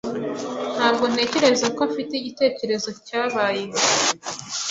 Ntabwo ntekereza ko afite igitekerezo cyabaye.